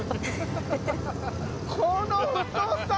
この太さ！